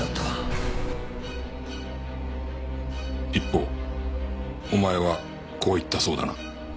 一方お前はこう言ったそうだな。